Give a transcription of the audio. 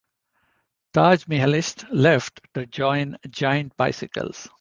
Taj Mihelich left to join Giant Bicycles.